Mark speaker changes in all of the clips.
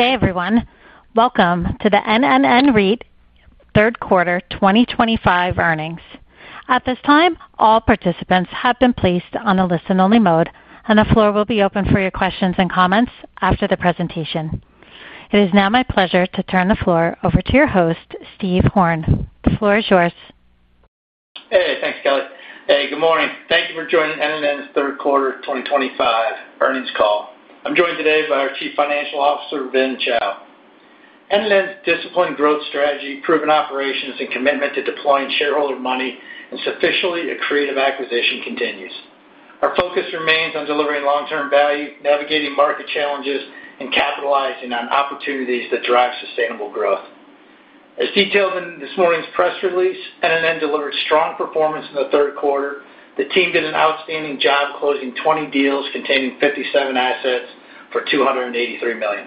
Speaker 1: Hey everyone, welcome to the NNN REIT Third Quarter 2025 Earnings. At this time, all participants have been placed on a listen-only mode, and the floor will be open for your questions and comments after the presentation. It is now my pleasure to turn the floor over to your host, Steve Horn. The floor is yours.
Speaker 2: Hey, thanks Kelly. Hey, good morning. Thank you for joining NNN's Third Quarter 2025 Earnings call. I'm joined today by our Chief Financial Officer, Vin Chao. NNN's disciplined growth strategy, proven operations, and commitment to deploying shareholder money and sufficiently accretive acquisition continues. Our focus remains on delivering long-term value, navigating market challenges, and capitalizing on opportunities that drive sustainable growth. As detailed in this morning's press release, NNN delivered strong performance in the third quarter. The team did an outstanding job closing 20 deals containing 57 assets for $283 million,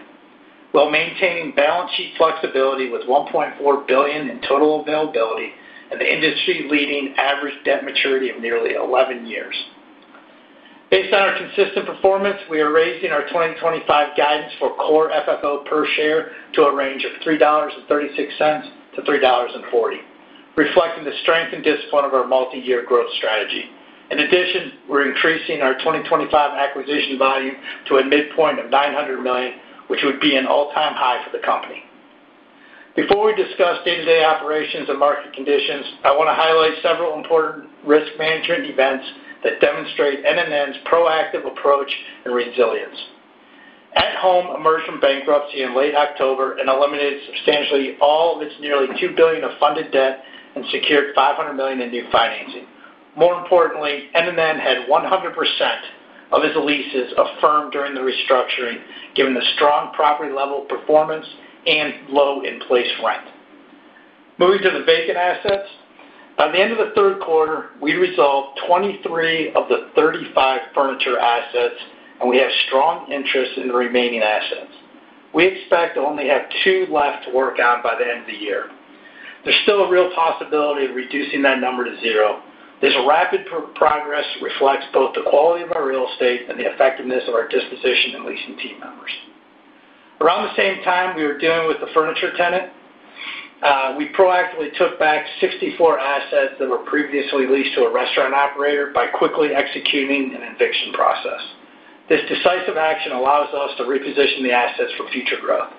Speaker 2: while maintaining balance sheet flexibility with $1.4 billion in total availability and the industry-leading average debt maturity of nearly 11 years. Based on our consistent performance, we are raising our 2025 guidance for Core FFO per share to a range of $3.36-$3.40, reflecting the strength and discipline of our multi-year growth strategy. In addition, we're increasing our 2025 acquisition volume to a midpoint of $900 million, which would be an all-time high for the company. Before we discuss day-to-day operations and market conditions, I want to highlight several important risk management events that demonstrate NNN's proactive approach and resilience. At Home's emergence from bankruptcy in late October eliminated substantially all of its nearly $2 billion of funded debt and secured $500 million in new financing. More importantly, NNN had 100% of its leases affirmed during the restructuring, given the strong property-level performance and low in-place rent. Moving to the vacant assets, by the end of the third quarter, we resolved 23 of the 35 furniture assets, and we have strong interest in the remaining assets. We expect to only have two left to work on by the end of the year. There's still a real possibility of reducing that number to zero. This rapid progress reflects both the quality of our real estate and the effectiveness of our disposition and leasing team members. Around the same time we were dealing with the furniture tenant. We proactively took back 64 assets that were previously leased to a restaurant operator by quickly executing an eviction process. This decisive action allows us to reposition the assets for future growth.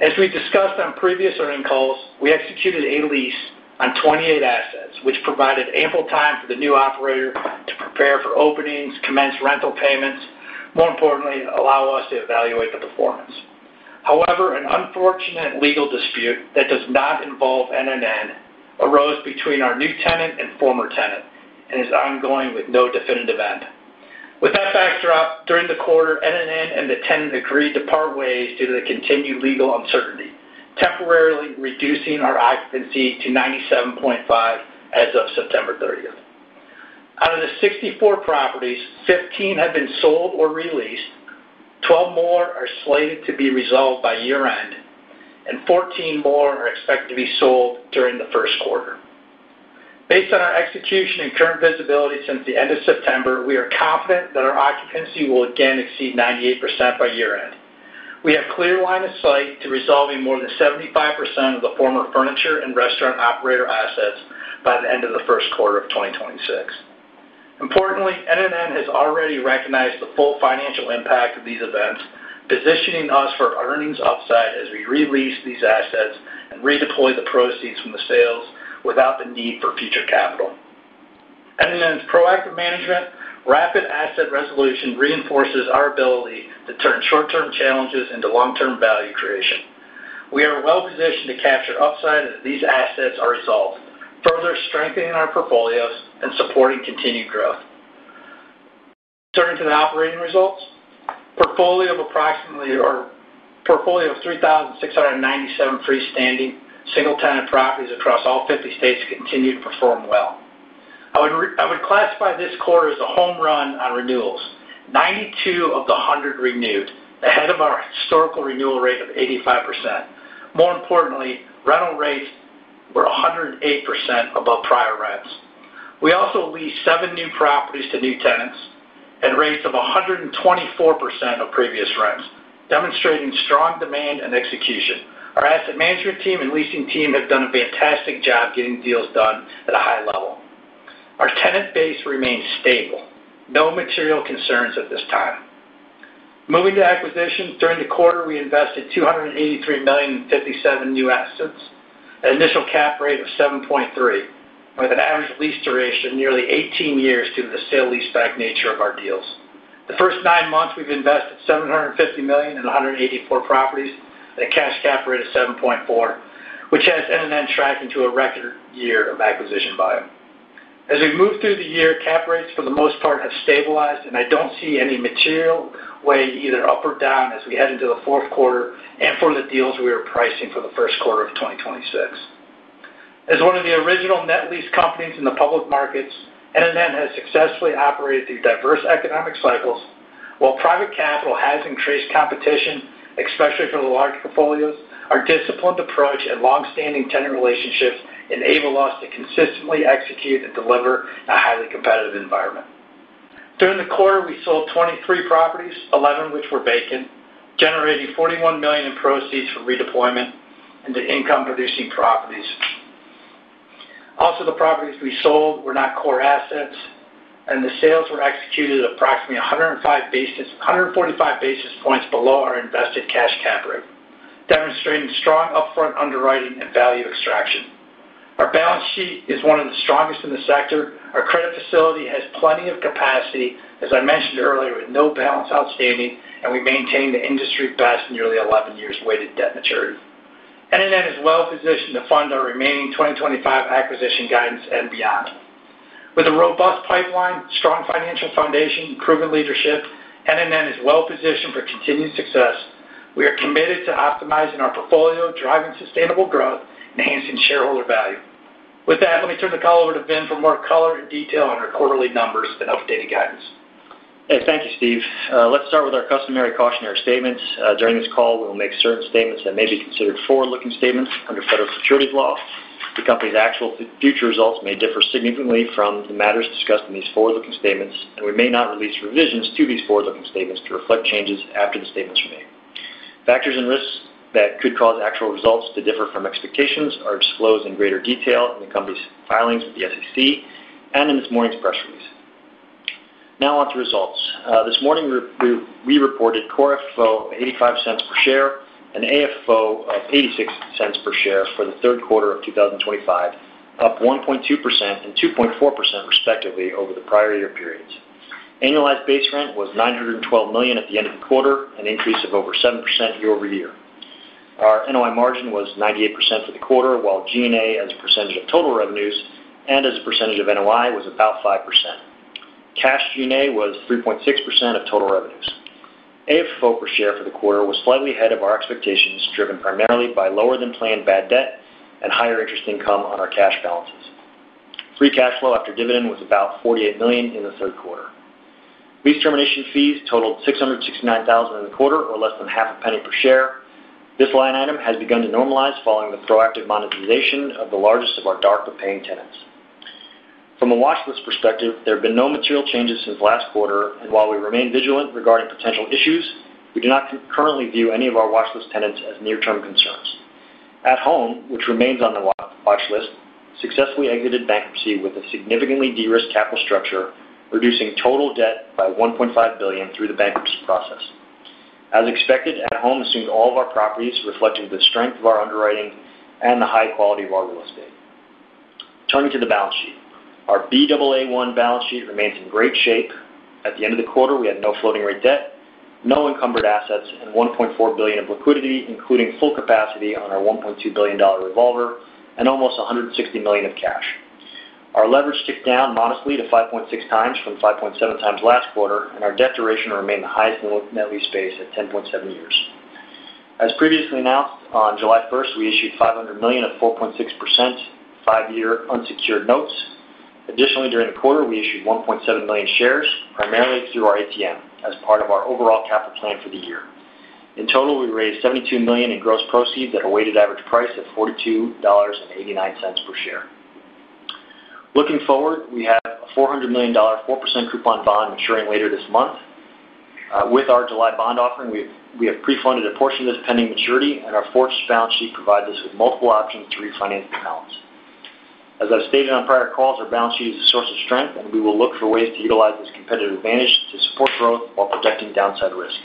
Speaker 2: As we discussed on previous earnings calls, we executed a lease on 28 assets, which provided ample time for the new operator to prepare for openings, commence rental payments, and more importantly, allow us to evaluate the performance. However, an unfortunate legal dispute that does not involve NNN arose between our new tenant and former tenant and is ongoing with no definitive end. With that backdrop, during the quarter, NNN and the tenant agreed to part ways due to the continued legal uncertainty, temporarily reducing our occupancy to 97.5% as of September 30th. Out of the 64 properties, 15 have been sold or released, 12 more are slated to be resolved by year-end, and 14 more are expected to be sold during the first quarter. Based on our execution and current visibility since the end of September, we are confident that our occupancy will again exceed 98% by year-end. We have a clear line of sight to resolving more than 75% of the former furniture and restaurant operator assets by the end of the first quarter of 2026. Importantly, NNN has already recognized the full financial impact of these events, positioning us for earnings upside as we release these assets and redeploy the proceeds from the sales without the need for future capital. NNN's proactive management, rapid asset resolution reinforces our ability to turn short-term challenges into long-term value creation. We are well-positioned to capture upside as these assets are resolved, further strengthening our portfolios and supporting continued growth. Turning to the operating results, a portfolio of approximately 3,697 free-standing single-tenant properties across all 50 states continued to perform well. I would classify this quarter as a home run on renewals, 92 of the 100 renewed, ahead of our historical renewal rate of 85%. More importantly, rental rates were 108% above prior rents. We also leased seven new properties to new tenants at rates of 124% of previous rents, demonstrating strong demand and execution. Our asset management team and leasing team have done a fantastic job getting deals done at a high level. Our tenant base remains stable. No material concerns at this time. Moving to acquisition, during the quarter, we invested $283 million in 57 new assets, an initial cap rate of 7.3%, with an average lease duration of nearly 18 years due to the sale lease-back nature of our deals. The first nine months, we've invested $750 million in 184 properties at a cash cap rate of 7.4%, which has NNN tracking to a record year of acquisition volume. As we move through the year, cap rates for the most part have stabilized, and I don't see any material way either up or down as we head into the fourth quarter and for the deals we are pricing for the first quarter of 2026. As one of the original net lease companies in the public markets, NNN has successfully operated through diverse economic cycles. While private capital has increased competition, especially for the large portfolios, our disciplined approach and long-standing tenant relationships enable us to consistently execute and deliver in a highly competitive environment. During the quarter, we sold 23 properties, 11 of which were vacant, generating $41 million in proceeds from redeployment into income-producing properties. Also, the properties we sold were not core assets, and the sales were executed approximately 145 basis points below our invested cash cap rate, demonstrating strong upfront underwriting and value extraction. Our balance sheet is one of the strongest in the sector. Our credit facility has plenty of capacity, as I mentioned earlier, with no balance outstanding, and we maintain the industry best nearly 11 years weighted debt maturity. NNN is well-positioned to fund our remaining 2025 acquisition guidance and beyond. With a robust pipeline, strong financial foundation, and proven leadership, NNN is well-positioned for continued success. We are committed to optimizing our portfolio, driving sustainable growth, and enhancing shareholder value. With that, let me turn the call over to Vin for more color and detail on our quarterly numbers and updated guidance.
Speaker 3: Hey, thank you, Steve. Let's start with our customary cautionary statements. During this call, we will make certain statements that may be considered forward-looking statements under federal securities law. The company's actual future results may differ significantly from the matters discussed in these forward-looking statements, and we may not release revisions to these forward-looking statements to reflect changes after the statements are made. Factors and risks that could cause actual results to differ from expectations are disclosed in greater detail in the company's filings with the SEC and in this morning's press release. Now on to results. This morning, we reported Core FFO of $0.85 per share and AFFO of $0.86 per share for the third quarter of 2025, up 1.2% and 2.4% respectively over the prior year periods. Annualized base rent was $912 million at the end of the quarter, an increase of over 7% year-over-year. Our NOI margin was 98% for the quarter, while G&A as a percentage of total revenues and as a percentage of NOI was about 5%. Cash G&A was 3.6% of total revenues. AFFO per share for the quarter was slightly ahead of our expectations, driven primarily by lower-than-planned bad debt and higher interest income on our cash balances. Free cash flow after dividend was about $48 million in the third quarter. Lease termination fees totaled $669,000 in the quarter, or less than $0.005 per share. This line item has begun to normalize following the proactive monetization of the largest of our non-paying tenants. From a watchlist perspective, there have been no material changes since last quarter, and while we remain vigilant regarding potential issues, we do not currently view any of our watchlist tenants as near-term concerns. At Home, which remains on the watchlist, successfully exited bankruptcy with a significantly de-risked capital structure, reducing total debt by $1.5 billion through the bankruptcy process. As expected, At Home assumed all of our properties, reflecting the strength of our underwriting and the high quality of our real estate. Turning to the balance sheet, our Baa1 balance sheet remains in great shape. At the end of the quarter, we had no floating-rate debt, no encumbered assets, and $1.4 billion of liquidity, including full capacity on our $1.2 billion revolver and almost $160 million of cash. Our leverage ticked down modestly to 5.6x from 5.7x last quarter, and our debt duration remained the highest in the net lease space at 10.7 years. As previously announced, on July 1st, we issued $500 million of 4.6% five-year unsecured notes. Additionally, during the quarter, we issued 1.7 million shares, primarily through our ATM, as part of our overall capital plan for the year. In total, we raised $72 million in gross proceeds at a weighted average price of $42.89 per share. Looking forward, we have a $400 million 4% coupon bond maturing later this month. With our July bond offering, we have pre-funded a portion of this pending maturity, and our fortified balance sheet provides us with multiple options to refinance the balance. As I've stated on prior calls, our balance sheet is a source of strength, and we will look for ways to utilize this competitive advantage to support growth while protecting downside risk.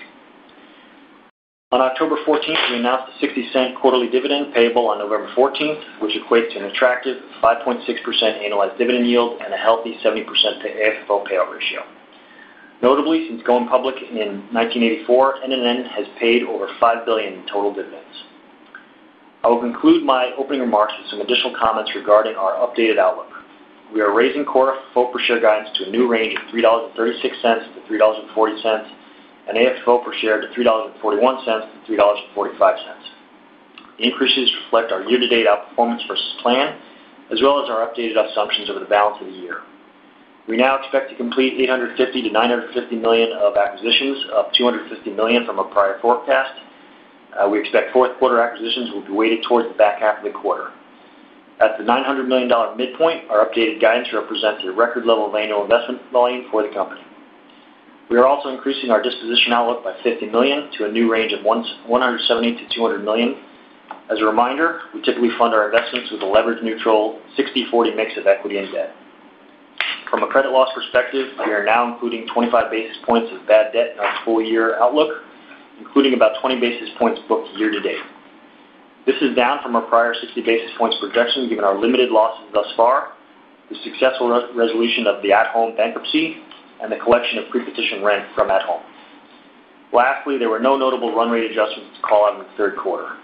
Speaker 3: On October 14th, we announced a $0.60 quarterly dividend payable on November 14th, which equates to an attractive 5.6% annualized dividend yield and a healthy 70% AFFO payout ratio. Notably, since going public in 1984, NNN has paid over $5 billion in total dividends. I will conclude my opening remarks with some additional comments regarding our updated outlook. We are raising Core FFO per share guidance to a new range of $3.36-$3.40 and AFFO per share to $3.41-$3.45. Increases reflect our year-to-date outperformance versus plan, as well as our updated assumptions over the balance of the year. We now expect to complete $850 million-$950 million of acquisitions, up $250 million from a prior forecast. We expect fourth-quarter acquisitions will be weighted towards the back half of the quarter. At the $900 million midpoint, our updated guidance represents a record level of annual investment volume for the company. We are also increasing our disposition outlook by $50 million to a new range of $170 million-$200 million. As a reminder, we typically fund our investments with a leverage-neutral 60/40 mix of equity and debt. From a credit loss perspective, we are now including 25 basis points of bad debt in our full-year outlook, including about 20 basis points booked year-to-date. This is down from our prior 60 basis points projection, given our limited losses thus far, the successful resolution of the At Home bankruptcy, and the collection of pre-petition rent from At Home. Lastly, there were no notable run-rate adjustments to call out in the third quarter.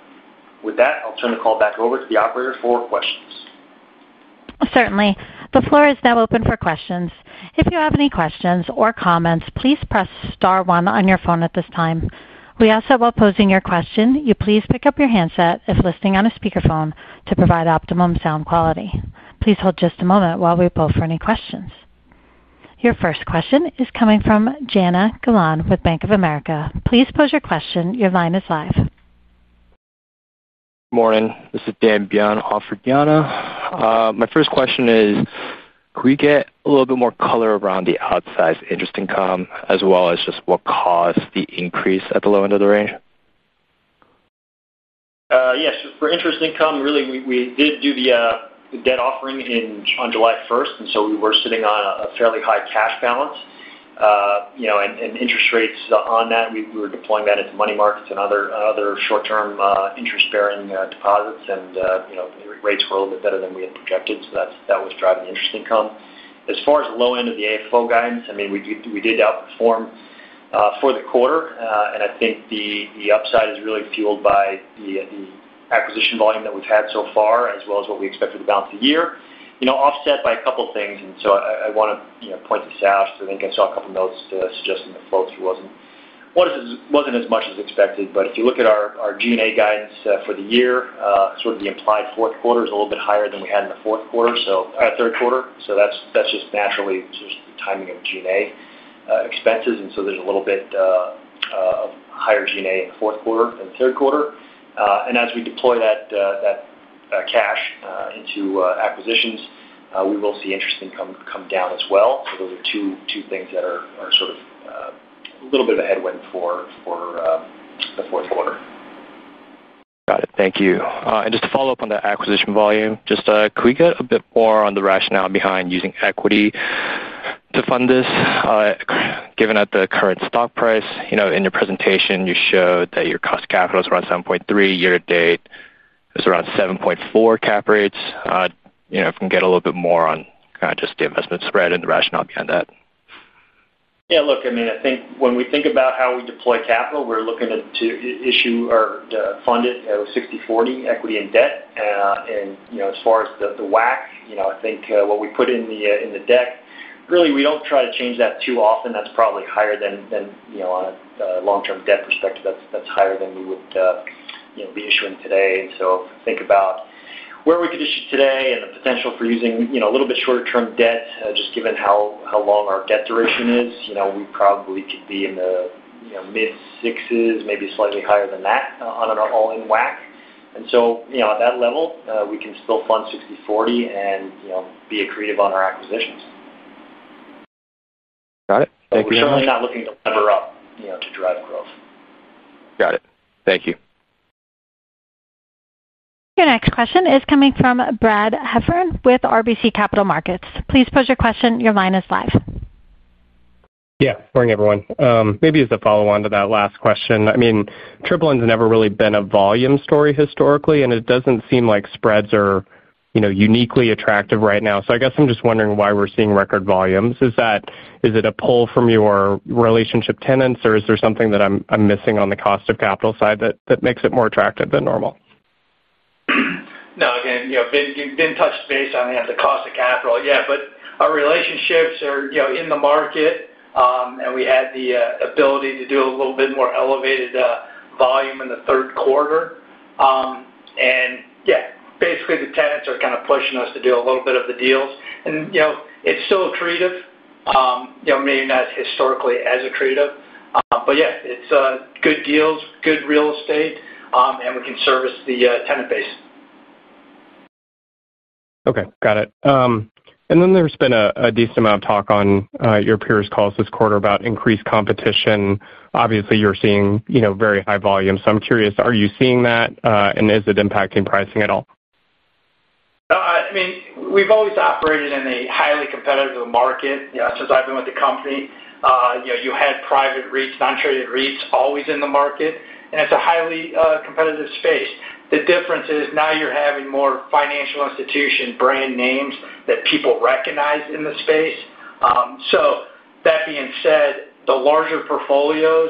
Speaker 3: With that, I'll turn the call back over to the operator for questions.
Speaker 1: Certainly. The floor is now open for questions. If you have any questions or comments, please press star one on your phone at this time. We ask that while posing your question, you please pick up your handset if listening on a speakerphone to provide optimum sound quality. Please hold just a moment while we poll for any questions. Your first question is coming from Jana Galan with Bank of America. Please pose your question. Your line is live.
Speaker 4: Morning. This is Dan Byon for Jana. My first question is, could we get a little bit more color around the outsized interest income, as well as just what caused the increase at the low end of the range?
Speaker 2: Yes. For interest income, really, we did do the debt offering on July 1st, and so we were sitting on a fairly high cash balance. And interest rates on that, we were deploying that into money markets and other short-term interest-bearing deposits, and rates were a little bit better than we had projected, so that was driving interest income. As far as the low end of the AFFO guidance, I mean, we did outperform for the quarter, and I think the upside is really fueled by the acquisition volume that we've had so far, as well as what we expected to balance the year, offset by a couple of things. And so I want to point this out. I think I saw a couple of notes suggesting the flow through wasn't as much as expected. But if you look at our G&A guidance for the year, sort of the implied fourth quarter is a little bit higher than we had in the third quarter. So that's just naturally the timing of G&A expenses, and so there's a little bit of higher G&A in the fourth quarter than the third quarter. And as we deploy that cash into acquisitions, we will see interest income come down as well. So those are two things that are sort of a little bit of a headwind for the fourth quarter.
Speaker 4: Got it. Thank you. And just to follow up on the acquisition volume, just could we get a bit more on the rationale behind using equity to fund this? Given the current stock price, in your presentation, you showed that your cost of capital is around 7.3%. Year-to-date, it's around 7.4% cap rates. If we can get a little bit more on kind of just the investment spread and the rationale behind that.
Speaker 2: Yeah. Look, I mean, I think when we think about how we deploy capital, we're looking to issue or fund it 60/40 equity and debt. And as far as the WACC, I think what we put in the debt, really, we don't try to change that too often. That's probably higher than on a long-term debt perspective. That's higher than we would be issuing today. And so if we think about where we could issue today and the potential for using a little bit shorter-term debt, just given how long our debt duration is, we probably could be in the mid-sixes, maybe slightly higher than that on an all-in WACC. And so at that level, we can still fund 60/40 and be accretive on our acquisitions.
Speaker 4: Got it. Thank you.
Speaker 2: We're certainly not looking to lever up to drive growth.
Speaker 4: Got it. Thank you.
Speaker 1: Your next question is coming from Brad Heffern with RBC Capital Markets. Please pose your question. Your line is live.
Speaker 5: Yeah. Morning, everyone. Maybe as a follow-on to that last question, I mean, NNN's never really been a volume story historically, and it doesn't seem like spreads are uniquely attractive right now. So I guess I'm just wondering why we're seeing record volumes. Is it a pull from your relationship tenants, or is there something that I'm missing on the cost of capital side that makes it more attractive than normal?
Speaker 2: No. Again, Vin touched base on the cost of capital. Yeah. But our relationships are in the market. And we had the ability to do a little bit more elevated volume in the third quarter. And yeah, basically, the tenants are kind of pushing us to do a little bit of the deals. And it's still accretive, maybe not as historically as accretive. But yeah, it's good deals, good real estate, and we can service the tenant base.
Speaker 5: Okay. Got it. And then there's been a decent amount of talk on your peers' calls this quarter about increased competition. Obviously, you're seeing very high volume. So I'm curious, are you seeing that, and is it impacting pricing at all?
Speaker 2: I mean, we've always operated in a highly competitive market. Since I've been with the company, you had private REITs, non-traded REITs always in the market, and it's a highly competitive space. The difference is now you're having more financial institution brand names that people recognize in the space. So that being said, the larger portfolios,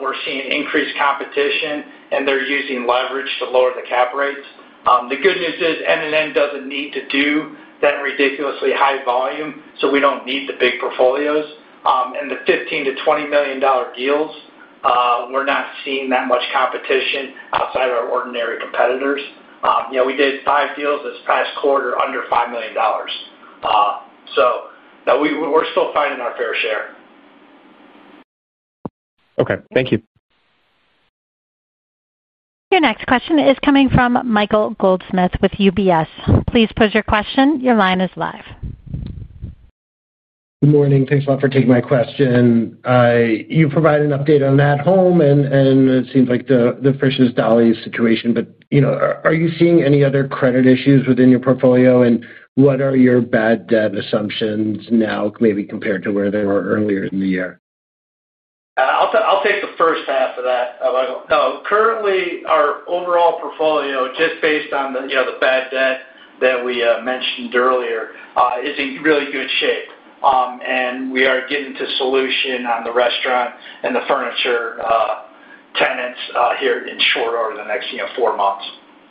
Speaker 2: we're seeing increased competition, and they're using leverage to lower the cap rates. The good news is NNN doesn't need to do that ridiculously high volume, so we don't need the big portfolios, and the $15 million-$20 million dollar deals, we're not seeing that much competition outside of our ordinary competitors. We did five deals this past quarter under $5 million. So we're still finding our fair share.
Speaker 5: Okay. Thank you.
Speaker 1: Your next question is coming from Michael Goldsmith with UBS. Please pose your question. Your line is live.
Speaker 6: Good morning. Thanks a lot for taking my question. You provided an update on At Home, and it seems like the Frisch's Big Boy situation. But are you seeing any other credit issues within your portfolio, and what are your bad debt assumptions now, maybe compared to where they were earlier in the year?
Speaker 2: I'll take the first half of that. Currently, our overall portfolio, just based on the bad debt that we mentioned earlier, is in really good shape. And we are getting to solution on the restaurant and the furniture tenants here in short order in the next four months.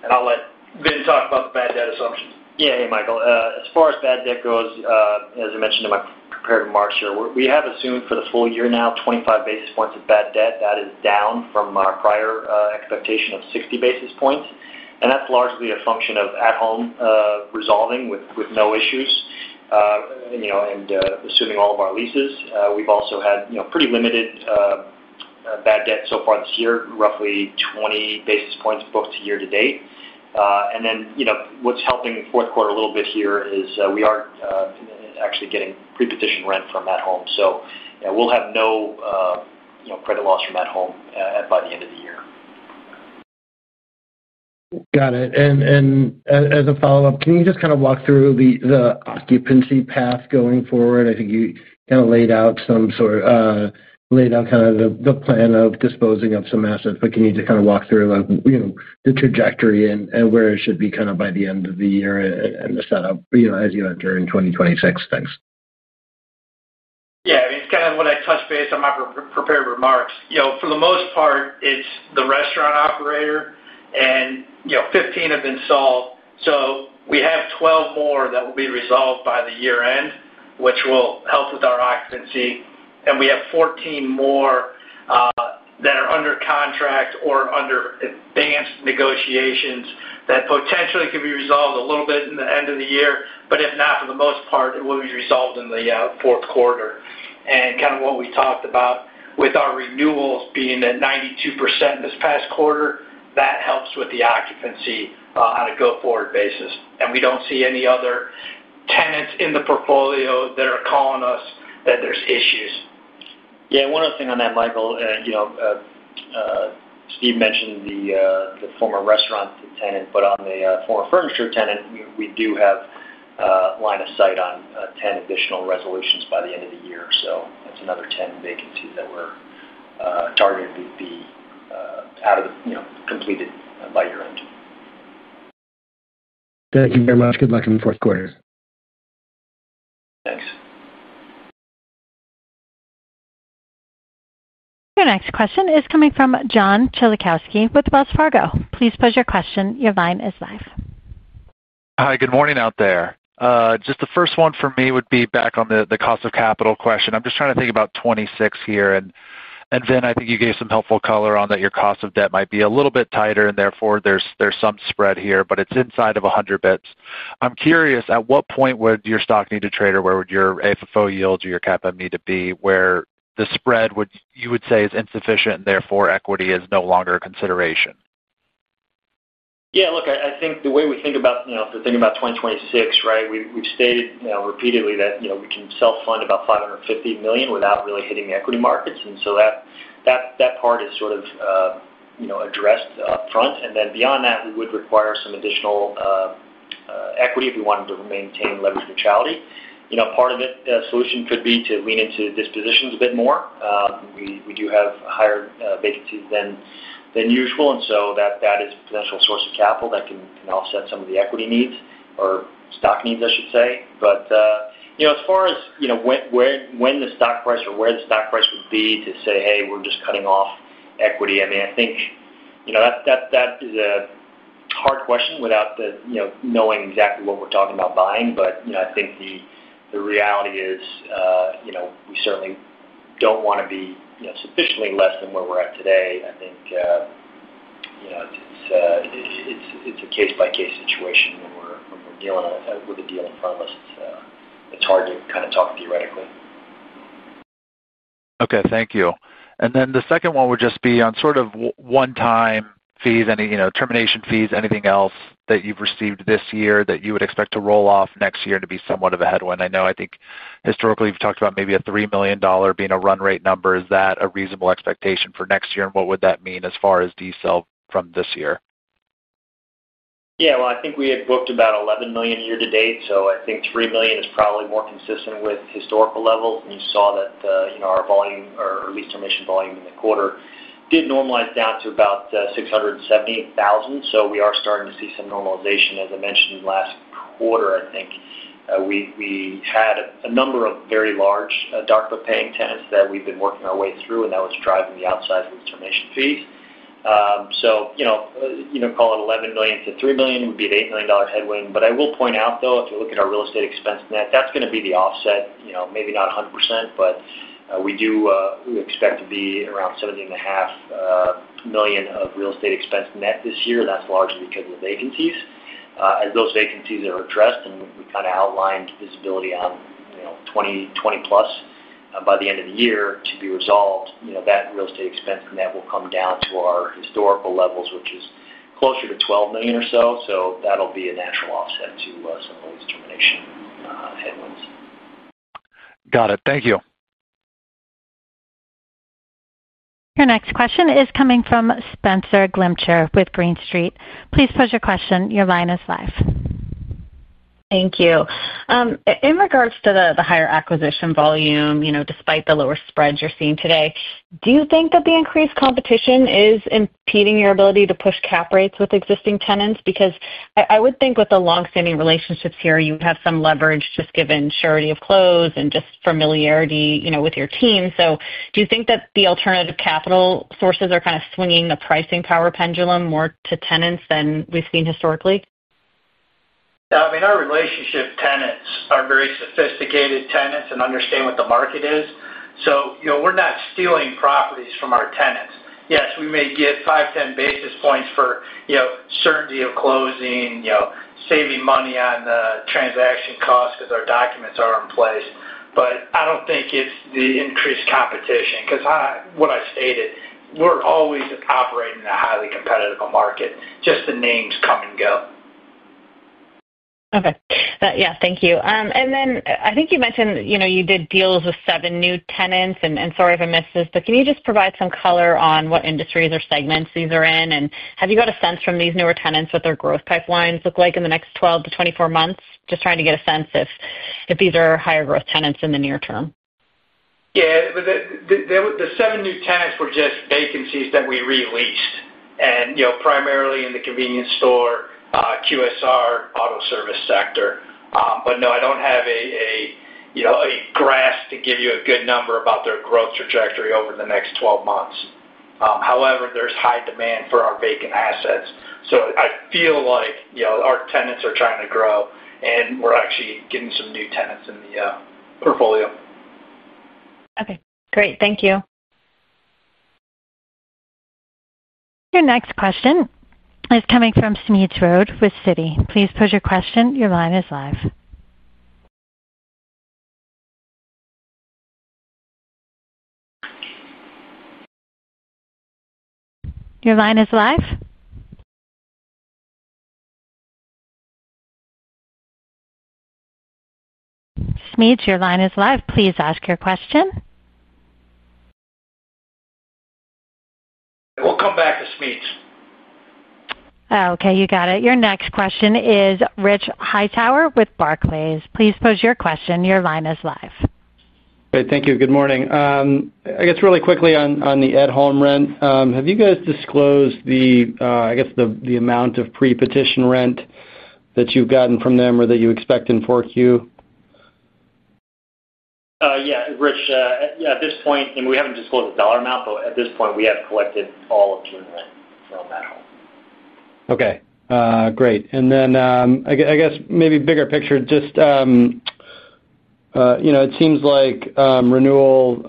Speaker 2: And I'll let Vin talk about the bad debt assumptions.
Speaker 3: Yeah. Hey, Michael. As far as bad debt goes, as I mentioned in my prepared remarks here, we have assumed for the full year now 25 basis points of bad debt. That is down from our prior expectation of 60 basis points. And that's largely a function of At Home resolving with no issues and assuming all of our leases. We've also had pretty limited bad debt so far this year, roughly 20 basis points booked year-to-date. And then what's helping fourth quarter a little bit here is we aren't actually getting prepaid rent from At Home. So we'll have no credit loss from At Home by the end of the year.
Speaker 6: Got it. And as a follow-up, can you just kind of walk through the occupancy path going forward? I think you kind of laid out some sort of kind of the plan of disposing of some assets. But can you just kind of walk through the trajectory and where it should be kind of by the end of the year and the setup as you enter in 2026? Thanks.
Speaker 2: Yeah. I mean, it's kind of what I touched base on my prepared remarks. For the most part, it's the restaurant operator, and 15 have been sold. So we have 12 more that will be resolved by the year-end, which will help with our occupancy. And we have 14 more that are under contract or under advanced negotiations that potentially could be resolved a little bit in the end of the year. But if not, for the most part, it will be resolved in the fourth quarter. And kind of what we talked about with our renewals being at 92% this past quarter, that helps with the occupancy on a go-forward basis. And we don't see any other tenants in the portfolio that are calling us that there's issues.
Speaker 3: Yeah. One other thing on that, Michael. Steve mentioned the former restaurant tenant, but on the former furniture tenant, we do have a line of sight on 10 additional resolutions by the end of the year. So that's another 10 vacancies that we're targeting to be out of the completed by year-end.
Speaker 6: Thank you very much. Good luck in the fourth quarter.
Speaker 3: Thanks.
Speaker 1: Your next question is coming from John Kilichowski with Wells Fargo. Please pose your question. Your line is live.
Speaker 7: Hi. Good morning out there. Just the first one for me would be back on the cost of capital question. I'm just trying to think about 2026 here. And Vin, I think you gave some helpful color on that your cost of debt might be a little bit tighter, and therefore there's some spread here, but it's inside of 100 basis points. I'm curious, at what point would your stock need to trade or where would your AFFO yields or your cap need to be where the spread, you would say, is insufficient and therefore equity is no longer a consideration?
Speaker 3: Yeah. Look, I think the way we think about if we're thinking about 2026, right, we've stated repeatedly that we can self-fund about $550 million without really hitting the equity markets. And so that part is sort of addressed upfront. And then beyond that, we would require some additional equity if we wanted to maintain leverage neutrality. Part of the solution could be to lean into dispositions a bit more. We do have higher vacancies than usual, and so that is a potential source of capital that can offset some of the equity needs or stock needs, I should say. But as far as when the stock price or where the stock price would be to say, "Hey, we're just cutting off equity," I mean, I think that is a hard question without knowing exactly what we're talking about buying. But I think the reality is we certainly don't want to be sufficiently less than where we're at today. I think it's a case-by-case situation when we're dealing with a deal in front of us. It's hard to kind of talk theoretically.
Speaker 7: Okay. Thank you. And then the second one would just be on sort of one-time fees, any termination fees, anything else that you've received this year that you would expect to roll off next year and to be somewhat of a headwind? I know I think historically you've talked about maybe a $3 million being a run-rate number. Is that a reasonable expectation for next year? And what would that mean as far as DSEL from this year?
Speaker 3: Yeah. Well, I think we had booked about $11 million year-to-date. So I think $3 million is probably more consistent with historical levels. And you saw that our volume, or at least termination volume in the quarter, did normalize down to about $670,000. So we are starting to see some normalization, as I mentioned, in the last quarter, I think. We had a number of very large rent-paying tenants that we've been working our way through, and that was driving the outsize of the termination fees. So. Call it $11 million to $3 million, we'd be at $8 million headwind. But I will point out, though, if you look at our real estate expense net, that's going to be the offset, maybe not 100%, but we do expect to be around $17.5 million of real estate expense net this year. That's largely because of the vacancies. As those vacancies are addressed and we kind of outlined visibility on 20+. By the end of the year to be resolved, that real estate expense net will come down to our historical levels, which is closer to $12 million or so. So that'll be a natural offset to some of those termination headwinds.
Speaker 7: Got it. Thank you.
Speaker 1: Your next question is coming from Spenser Glimcher with Green Street. Please pose your question. Your line is live.
Speaker 8: Thank you. In regards to the higher acquisition volume, despite the lower spreads you're seeing today, do you think that the increased competition is impeding your ability to push cap rates with existing tenants? Because I would think with the long-standing relationships here, you have some leverage just given surety of close and just familiarity with your team. So do you think that the alternative capital sources are kind of swinging the pricing power pendulum more to tenants than we've seen historically?
Speaker 2: Yeah. I mean, our relationship tenants are very sophisticated tenants and understand what the market is. So we're not stealing properties from our tenants. Yes, we may get five, 10 basis points for certainty of closing, saving money on the transaction cost because our documents are in place. But I don't think it's the increased competition. Because what I stated, we're always operating in a highly competitive market. Just the names come and go.
Speaker 8: Okay. Yeah. Thank you. And then I think you mentioned you did deals with seven new tenants. And sorry if I missed this, but can you just provide some color on what industries or segments these are in? And have you got a sense from these newer tenants what their growth pipelines look like in the next 12-24 months? Just trying to get a sense if these are higher growth tenants in the near term.
Speaker 2: Yeah. The seven new tenants were just vacancies that we re-leased, and primarily in the convenience store, QSR, auto service sector. But no, I don't have a grasp to give you a good number about their growth trajectory over the next 12 months. However, there's high demand for our vacant assets. So I feel like our tenants are trying to grow, and we're actually getting some new tenants in the portfolio.
Speaker 8: Okay. Great. Thank you.
Speaker 1: Your next question is coming from Smedes Rose with Citi. Please pose your question. Your line is live. Your line is live. Smedes, your line is live. Please ask your question.
Speaker 2: We'll come back to Smedes.
Speaker 1: Okay. You got it. Your next question is Rich Hightower with Barclays. Please pose your question. Your line is live.
Speaker 9: Great. Thank you. Good morning. I guess really quickly on the At Home rent, have you guys disclosed the, I guess, the amount of pre-petition rent that you've gotten from them or that you expect in 4Q?
Speaker 3: Yeah. Rich, at this point, we haven't disclosed the dollar amount, but at this point, we have collected all of June rent from At Home.
Speaker 9: Okay. Great. And then I guess maybe bigger picture, just. It seems like renewal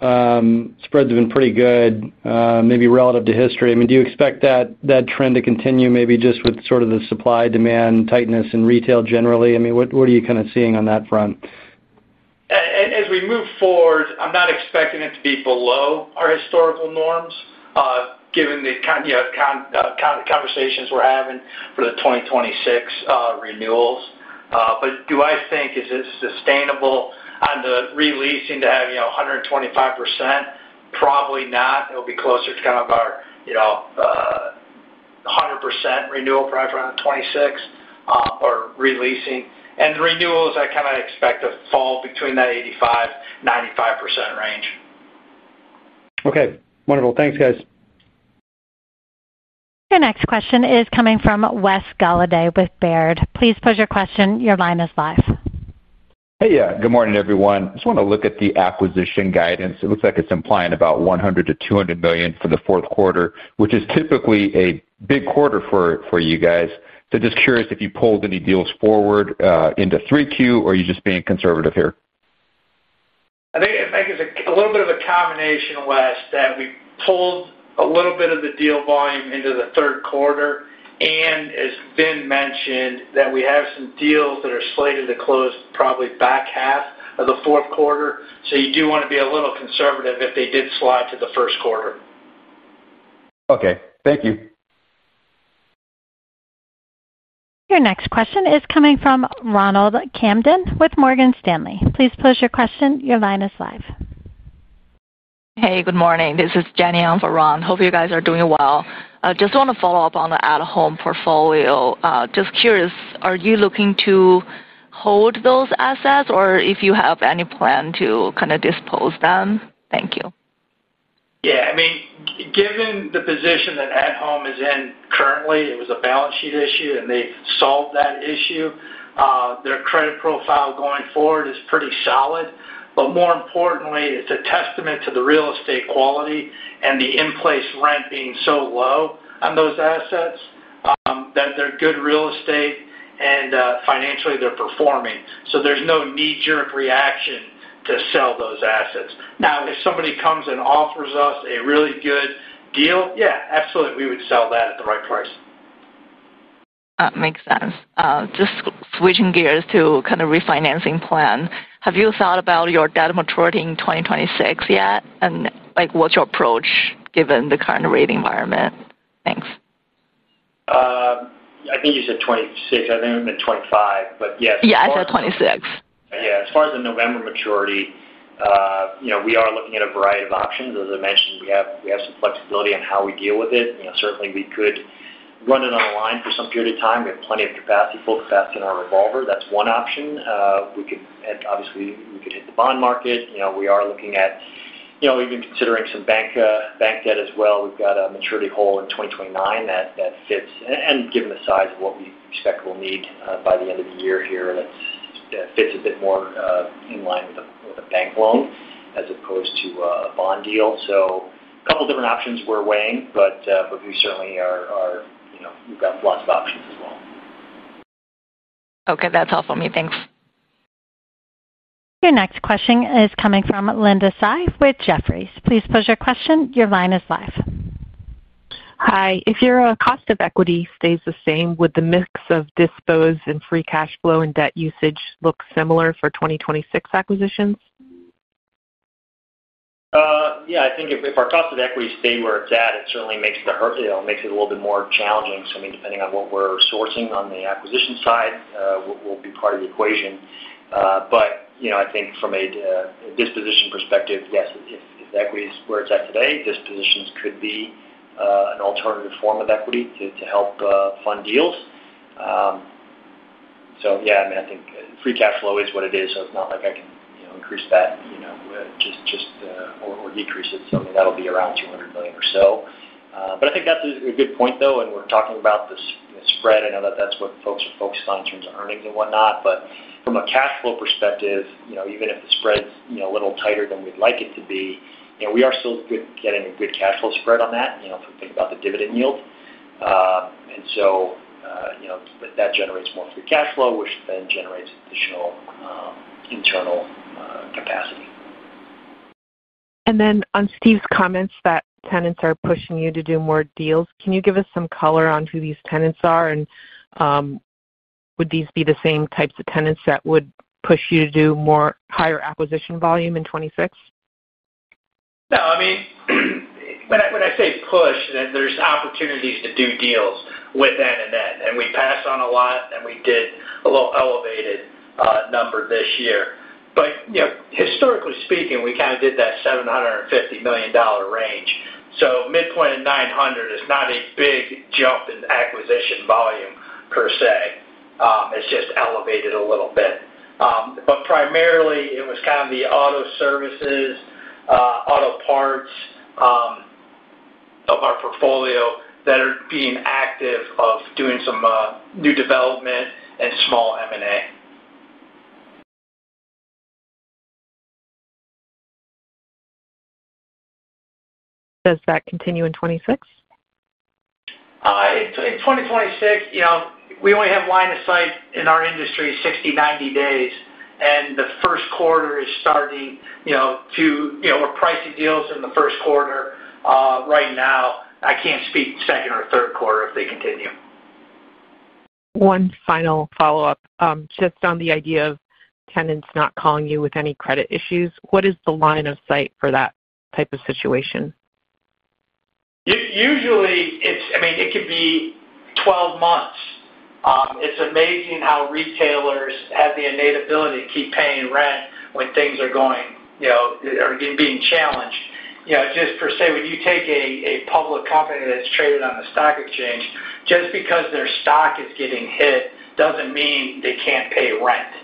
Speaker 9: spreads have been pretty good, maybe relative to history. I mean, do you expect that trend to continue maybe just with sort of the supply-demand tightness in retail generally? I mean, what are you kind of seeing on that front?
Speaker 2: As we move forward, I'm not expecting it to be below our historical norms, given the conversations we're having for the 2026 renewals. But, do I think, is it sustainable on the releasing to have 125%? Probably not. It'll be closer to kind of our 100% renewal probably for 2026 or releasing, and the renewals I kind of expect to fall between that 85%-95% range.
Speaker 9: Okay. Wonderful. Thanks, guys.
Speaker 1: Your next question is coming from Wes Golladay with Baird. Please pose your question. Your line is live.
Speaker 10: Hey, yeah. Good morning, everyone. I just want to look at the acquisition guidance. It looks like it's implying about $100 million-$200 million for the fourth quarter, which is typically a big quarter for you guys. So just curious if you pulled any deals forward into 3Q, or are you just being conservative here?
Speaker 2: I think it's a little bit of a combination, Wes, that we pulled a little bit of the deal volume into the third quarter, and as Vin mentioned, that we have some deals that are slated to close probably back half of the fourth quarter, so you do want to be a little conservative if they did slide to the first quarter.
Speaker 10: Okay. Thank you.
Speaker 1: Your next question is coming from Ronald Kamdem with Morgan Stanley. Please pose your question. Your line is live. Hey, good morning. This is Jenny on for Ron. Hope you guys are doing well. Just want to follow up on the At Home portfolio. Just curious, are you looking to hold those assets or if you have any plan to kind of dispose them? Thank you.
Speaker 2: Yeah. I mean, given the position that At Home is in currently, it was a balance sheet issue, and they've solved that issue. Their credit profile going forward is pretty solid. But more importantly, it's a testament to the real estate quality and the in-place rent being so low on those assets that they're good real estate and financially they're performing. So there's no knee-jerk reaction to sell those assets. Now, if somebody comes and offers us a really good deal, yeah, absolutely, we would sell that at the right price. That makes sense. Just switching gears to kind of refinancing plan. Have you thought about your debt maturity in 2026 yet? And what's your approach given the current rate environment? Thanks.
Speaker 3: I think you said 2026. I think it would have been 2025, but yes. Yeah, I said 2026. Yeah. As far as the November maturity, we are looking at a variety of options. As I mentioned, we have some flexibility on how we deal with it. Certainly, we could run it on a line for some period of time. We have plenty of capacity, full capacity in our revolver. That's one option. Obviously, we could hit the bond market. We are looking at even considering some bank debt as well. We've got a maturity hole in 2029 that fits, and given the size of what we expect we'll need by the end of the year here, that fits a bit more in line with a bank loan as opposed to a bond deal, so a couple of different options we're weighing, but we certainly are. We've got lots of options as well. Okay. That's helpful. Thanks.
Speaker 1: Your next question is coming from Linda Tsai with Jefferies. Please pose your question. Your line is live.
Speaker 11: Hi. If your cost of equity stays the same, would the mix of disposed and free cash flow and debt usage look similar for 2026 acquisitions?
Speaker 3: Yeah. I think if our cost of equity stayed where it's at, it certainly makes it a little bit more challenging. So I mean, depending on what we're sourcing on the acquisition side, we'll be part of the equation. But I think from a disposition perspective, yes, if the equity is where it's at today, dispositions could be an alternative form of equity to help fund deals. So yeah, I mean, I think free cash flow is what it is. So it's not like I can increase that or decrease it. So I mean, that'll be around $200 million or so. But I think that's a good point, though, and we're talking about the spread. I know that that's what folks are focused on in terms of earnings and whatnot. But from a cash flow perspective, even if the spread's a little tighter than we'd like it to be, we are still getting a good cash flow spread on that if we think about the dividend yield. And so that generates more free cash flow, which then generates additional internal capacity.
Speaker 11: And then on Steve's comments that tenants are pushing you to do more deals, can you give us some color on who these tenants are? And would these be the same types of tenants that would push you to do higher acquisition volume in 2026?
Speaker 2: No. I mean, when I say push, there's opportunities to do deals with that and that, and we passed on a lot, and we did a little elevated number this year, but historically speaking, we kind of did that $750 million range, so midpoint at $900 million is not a big jump in acquisition volume per se. It's just elevated a little bit, but primarily, it was kind of the auto services, auto parts of our portfolio that are being active of doing some new development and small M&A.
Speaker 11: Does that continue in 2026?
Speaker 2: In 2026, we only have line of sight in our industry 60-90 days. And the first quarter is starting to, we're pricing deals in the first quarter right now. I can't speak to second or third quarter if they continue.
Speaker 11: One final follow-up. Just on the idea of tenants not calling you with any credit issues, what is the line of sight for that type of situation?
Speaker 2: Usually, I mean, it could be 12 months. It's amazing how retailers have the tenacity to keep paying rent when things are going—are being challenged. Just per se, when you take a public company that's traded on the stock exchange, just because their stock is getting hit doesn't mean they can't pay rent.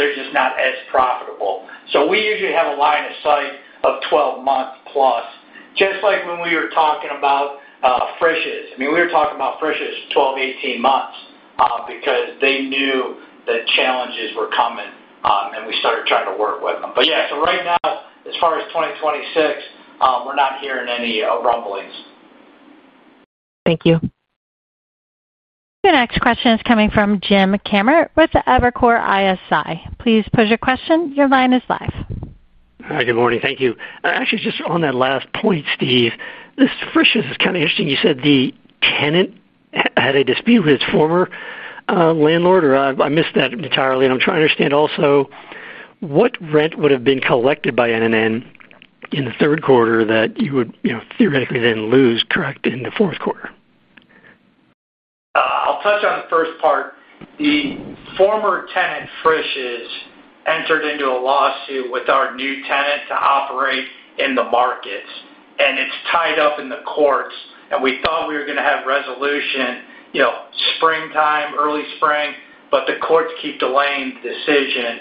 Speaker 2: They're just not as profitable. So we usually have a line of sight of 12+ months. Just like when we were talking about Frisch's. I mean, we were talking about Frisch's 12, 18 months because they knew that challenges were coming, and we started trying to work with them. But yeah, so right now, as far as 2026, we're not hearing any rumblings.
Speaker 11: Thank you.
Speaker 1: Your next question is coming from Jim Kammert with Evercore ISI. Please pose your question. Your line is live.
Speaker 12: Hi. Good morning. Thank you. Actually, just on that last point, Steve, this Frisch's is kind of interesting. You said the tenant had a dispute with his former landlord, or I missed that entirely, and I'm trying to understand also what rent would have been collected by NNN in the third quarter that you would theoretically then lose, correct, in the fourth quarter?
Speaker 2: I'll touch on the first part. The former tenant Frisch's entered into a lawsuit with our new tenant to operate in the markets. And it's tied up in the courts. And we thought we were going to have resolution. Springtime, early spring, but the courts keep delaying the decision.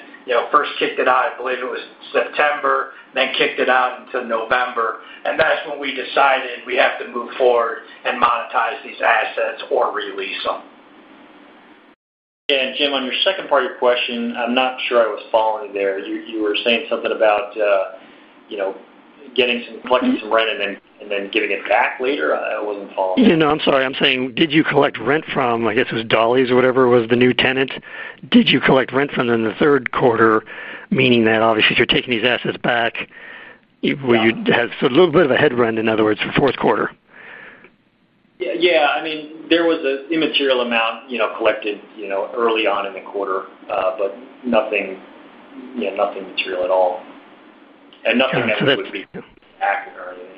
Speaker 2: First kicked it out, I believe it was September, then kicked it out until November. And that's when we decided we have to move forward and monetize these assets or re-lease them.
Speaker 3: And Jim, on your second part of your question, I'm not sure I was following there. You were saying something about collecting some rent and then giving it back later. I wasn't following.
Speaker 12: No, I'm sorry. I'm saying, did you collect rent from, I guess it was Dolly or whatever was the new tenant? Did you collect rent from them in the third quarter, meaning that obviously if you're taking these assets back, you have a little bit of a headwind, in other words, for fourth quarter?
Speaker 3: Yeah. I mean, there was an immaterial amount collected early on in the quarter, but nothing. Material at all. And nothing that we would be backing or anything.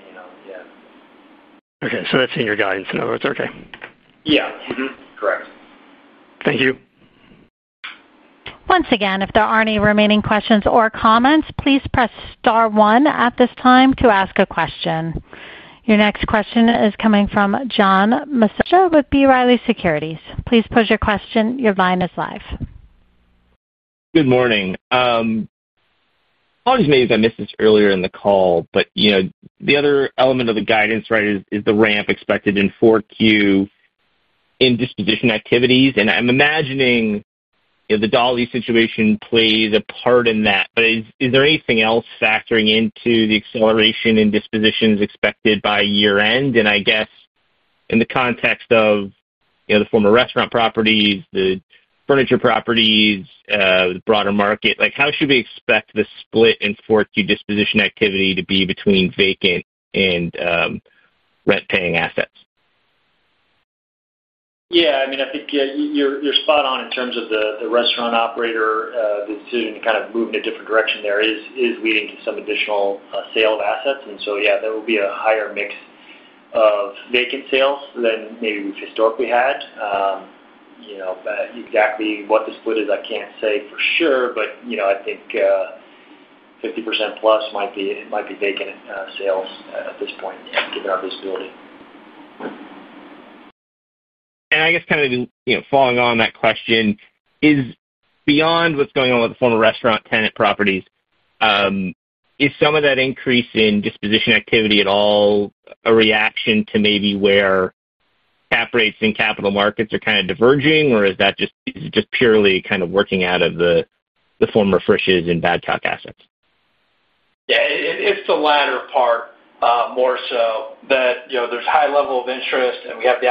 Speaker 3: Yeah.
Speaker 12: Okay. So that's in your guidance, in other words. Okay.
Speaker 3: Yeah. Correct.
Speaker 12: Thank you.
Speaker 1: Once again, if there aren't any remaining questions or comments, please press star one at this time to ask a question. Your next question is coming from John Massocca with B. Riley Securities. Please pose your question. Your line is live.
Speaker 13: Good morning. Apologies maybe if I missed this earlier in the call, but the other element of the guidance, right, is the ramp expected in 4Q in disposition activities. And I'm imagining the Dolly situation plays a part in that. But is there anything else factoring into the acceleration in dispositions expected by year-end? And I guess in the context of the former restaurant properties, the furniture properties, the broader market, how should we expect the split in 4Q disposition activity to be between vacant and rent-paying assets?
Speaker 3: Yeah. I mean, I think you're spot on in terms of the restaurant operator. The decision to kind of move in a different direction there is leading to some additional sales of assets, and so yeah, there will be a higher mix of vacant sales than maybe we've historically had. Exactly what the split is, I can't say for sure, but I think 50%+ might be vacant sales at this point, given our visibility.
Speaker 13: I guess kind of following on that question, beyond what's going on with the former restaurant tenant properties, is some of that increase in disposition activity at all a reaction to maybe where cap rates and capital markets are kind of diverging, or is that just purely kind of working out of the former Frisch's and Badcock assets?
Speaker 2: Yeah. It's the latter part. More so that there's a high level of interest, and we have the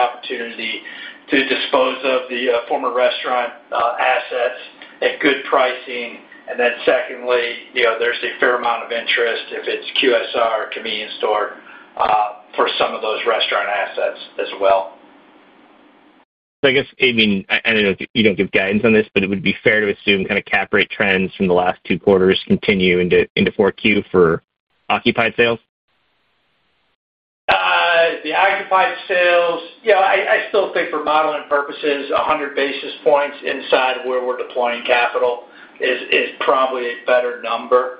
Speaker 2: opportunity to dispose of the former restaurant assets at good pricing. And then secondly, there's a fair amount of interest if it's QSR, convenience store, for some of those restaurant assets as well.
Speaker 13: So I guess, I mean, I don't know if you don't give guidance on this, but it would be fair to assume kind of cap rate trends from the last two quarters continue into 4Q for occupied sales?
Speaker 2: The occupied sales, yeah, I still think for modeling purposes, 100 basis points inside of where we're deploying capital is probably a better number.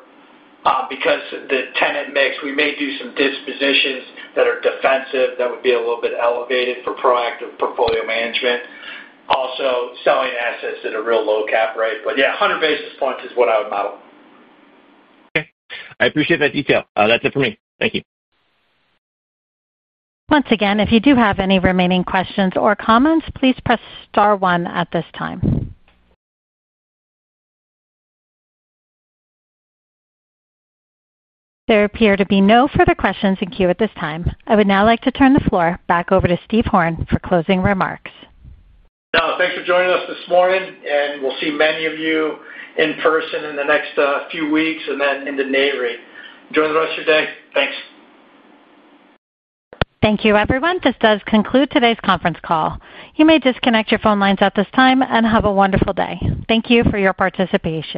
Speaker 2: Because the tenant mix, we may do some dispositions that are defensive that would be a little bit elevated for proactive portfolio management. Also selling assets at a real low cap rate. But yeah, 100 basis points is what I would model.
Speaker 13: Okay. I appreciate that detail. That's it for me. Thank you.
Speaker 1: Once again, if you do have any remaining questions or comments, please press star one at this time. There appear to be no further questions in queue at this time. I would now like to turn the floor back over to Steve Horn for closing remarks.
Speaker 2: No. Thanks for joining us this morning, and we'll see many of you in person in the next few weeks and then in the neighborhood. Enjoy the rest of your day. Thanks.
Speaker 1: Thank you, everyone. This does conclude today's conference call. You may disconnect your phone lines at this time and have a wonderful day. Thank you for your participation.